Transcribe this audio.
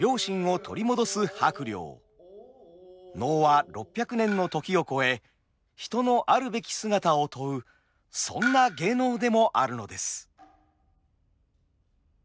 能は６００年の時を超え人のあるべき姿を問うそんな芸能でもあるのです。